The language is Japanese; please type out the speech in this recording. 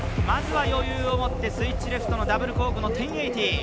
まずは余裕を持ってスイッチレフトのダブルコークの１０８０。